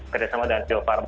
kerjasama dengan bio farma